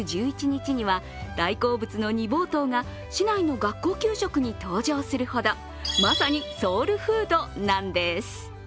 １１日には大好物の煮ぼうとうが市内の学校給食に登場するほど、まさにソウルフードなんです。